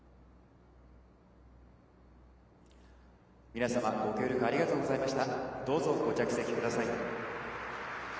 皆様、ご協力ありがとうございました。